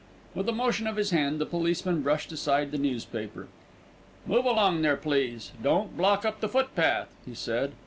With a motion of his hand, the policeman brushed aside the newspaper. "Move along there, please. Don't block up the footpath," he said.